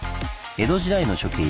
江戸時代の初期